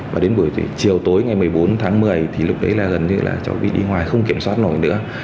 và đến buổi chiều tối ngày một mươi bốn tháng một mươi thì lúc đấy là gần như là cháu bị đi ngoài không kiểm soát nổi nữa